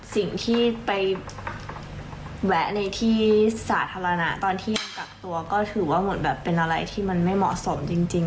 สิ่งที่ไปแวะในที่สาธารณะตอนที่กักตัวก็ถือว่าเหมือนแบบเป็นอะไรที่มันไม่เหมาะสมจริง